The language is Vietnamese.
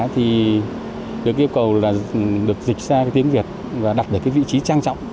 thì được yêu cầu là được dịch ra tiếng việt và đặt được vị trí trang trọng